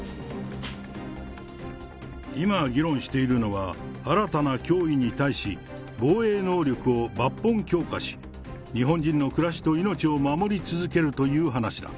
今議論しているのは、新たな脅威に対し、防衛能力を抜本強化し、日本人の暮らしと命を守り続けるという話だ。